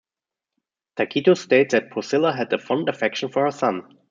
Tacitus states that Procilla had a fond affection for her son.